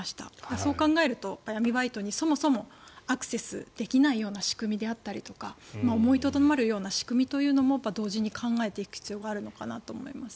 そう考えると闇バイトにそもそもアクセスできないような仕組みであったりとか思いとどまるような仕組みというのも同時に考えていく必要があるのかなと思います。